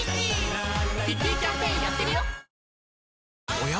おや？